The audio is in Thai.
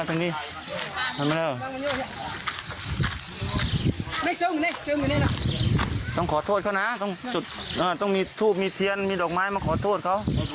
ต้องขอโทษเขานะต้องจุดต้องมีทูบมีเทียนมีดอกไม้มาขอโทษเขา